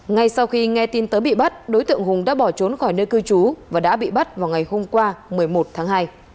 ngay sau khi nghe tin tới bị bắt đối tượng hùng đã bỏ trốn khỏi nơi cư trú và đã bị bắt vào ngày hôm qua một mươi một tháng hai